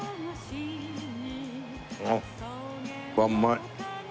あっうまい。